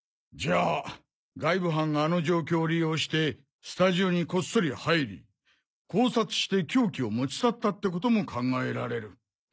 じゃあ外部犯があの状況を利用してスタジオにこっそり入り絞殺して凶器を持ち去ったってことも考えられる。